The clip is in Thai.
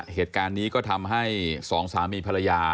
เหตุการณ์นี้ก็ทำให้สองสามีภรรยา